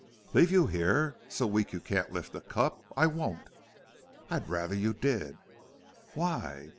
"Leave you here? So weak you can't lift a cup! I won't." "I'd rather you did." "Why?"